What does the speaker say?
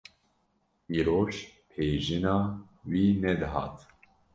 Îroj pêjina wî nedihat.